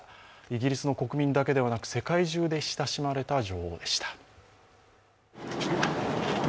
イギリスの国民だけではなく、世界中で親しまれた女王でした。